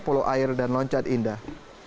pulau air dan loncat indah